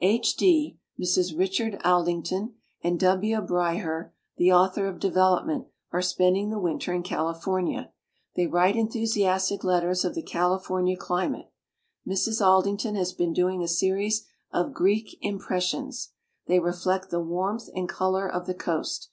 H. D. (Mrs. Richard Aldington), and W. Bryher, the author of "De velopment", are spending the winter in California. They write enthusias tic letters of the California climate. Mrs. Aldington has been doing a series of Greek "impressions". They reflect the warmth and color of the coast.